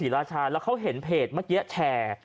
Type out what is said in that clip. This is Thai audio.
ราชาแล้วเขาเห็นเพจเมื่อกี้แชร์